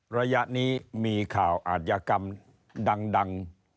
ระยะนี้มีข่าวอาจยากรรมดัง